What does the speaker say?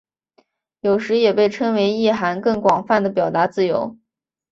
有时也被称为意涵更广泛的表达自由。